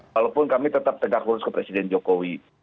walaupun kami tetap tegak lurus ke presiden jokowi